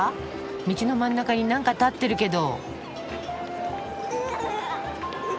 道の真ん中に何か立ってるけど。